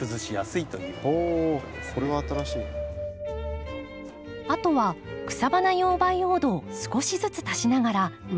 あとは草花用培養土を少しずつ足しながら植えつけていきます。